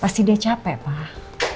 pasti dia capek pak